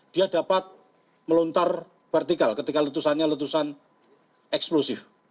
dia dapat melontar vertikal ketika letusannya letusan eksklusif